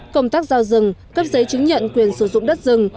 công tác giao rừng cấp giấy chứng nhận quyền sử dụng đất rừng